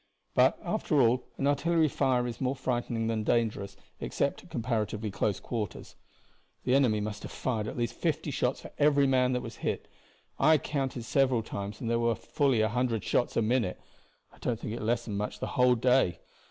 But, after all, an artillery fire is more frightening than dangerous, except at comparatively close quarters. The enemy must have fired at least fifty shots for every man that was hit. I counted several times, and there were fully a hundred shots a minute, and I don't think it lessened much the whole day.